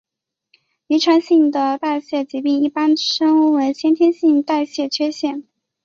遗传性的代谢疾病一般称为先天性代谢缺陷。